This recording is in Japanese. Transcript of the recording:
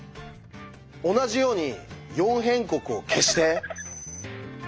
同じように「四辺国」を消して。